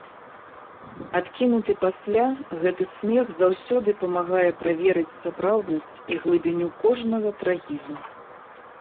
Адкінуты пасля, гэты смех заўсёды памагае праверыць сапраўднасць і глыбіню кожнага трагізму.